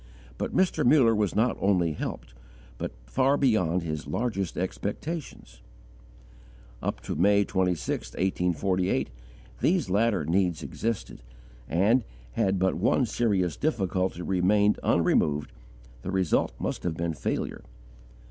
But Mr. Muller was not only helped, but far beyond his largest expectations. Up to May 26, 1848, these latter needs existed, and, had but one serious difficulty remained unremoved, the result must have been failure.